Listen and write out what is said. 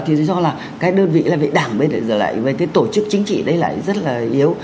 thì tôi cho là cái đơn vị là về đảng về tổ chức chính trị đây là rất là yếu